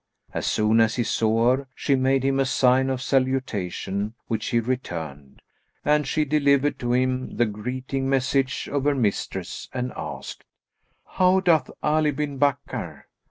As soon as he saw her, she made him a sign of salutation which he returned; and she delivered to him the greeting message of her mistress and asked, "How doth Ali bin Bakkar?"